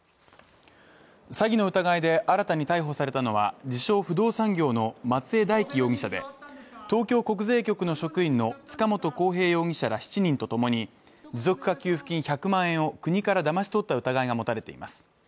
詐欺の疑いで新たに逮捕されたのは自称・不動産業の松江大樹容疑者で東京国税局の職員の塚本晃平容疑者ら７人とともに持続化給付金１００万円を国からだまし取った疑いが持たれています。